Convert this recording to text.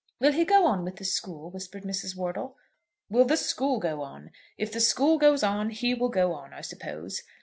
"Will he go on with the school?" whispered Mrs. Wortle. "Will the school go on? If the school goes on, he will go on, I suppose.